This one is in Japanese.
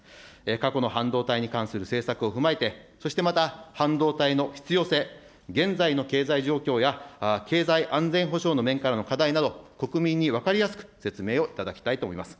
過去の半導体に関する政策を踏まえて、そしてまた半導体の必要性、現在の経済状況や経済安全保障の面からの課題など、国民に分かりやすく説明をいただきたいと思います。